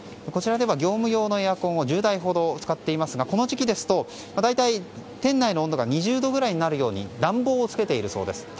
こちらでは業務用のエアコンを１０台ほど使っていますがこの時期ですと大体、店内の温度が２０度くらいになるように暖房をつけているそうです。